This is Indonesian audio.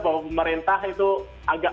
bahwa pemerintah itu agak